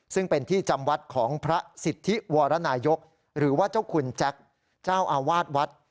ซึ่งเป็นที่จำวัดของพระสิทธิวรนายกหรือว่าเจ้าคุณแจ็คเจ้าอาวาสวัด